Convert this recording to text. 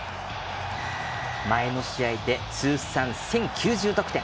前の試合で通算１０９０得点。